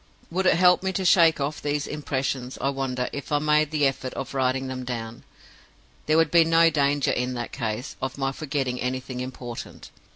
"Would it help me to shake off these impressions, I wonder, if I made the effort of writing them down? There would be no danger, in that case, of my forgetting anything important.